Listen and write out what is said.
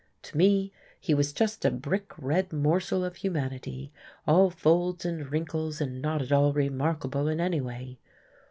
To me he was just a brick red morsel of humanity, all folds and wrinkles, and not at all remarkable in any way.